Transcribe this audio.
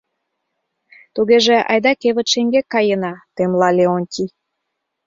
— Тугеже айда кевыт шеҥгек каена, — темла Леонтий.